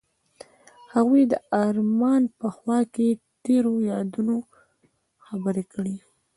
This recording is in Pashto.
هغوی د آرمان په خوا کې تیرو یادونو خبرې کړې.